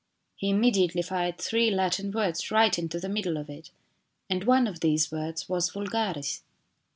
He immediately fired three Latin words right into the middle of it and one of these words was " vulgaris."